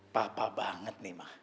papa banget nih ma